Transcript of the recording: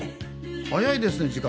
早いですね時間。